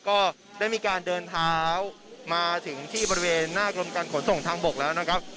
ก็ได้มีการเดินเท้ามาถึงที่บริเวณหน้ากรมการขนส่งทางบกแล้วนะครับ